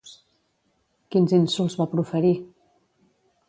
Quins insults va proferir?